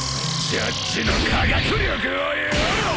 ジャッジの科学力をよぉ！